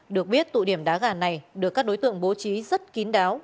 được biết tụ điểm đá gà này được các đối tượng bố trí rất kín đáo